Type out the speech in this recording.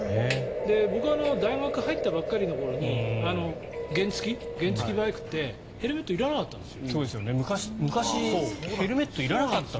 僕は大学に入ったばかりの頃に原付きバイクって、ヘルメットいらなかったんですよ。